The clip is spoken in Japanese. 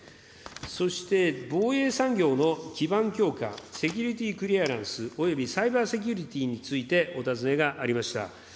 そして、防衛産業の基盤強化、セキュリティ・クリアランスおよびサイバーセキュリティについてお尋ねがありました。